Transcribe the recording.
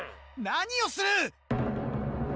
何をする！？